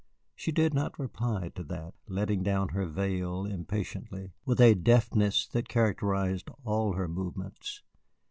She did not reply to that, letting down her veil impatiently, with a deftness that characterized all her movements.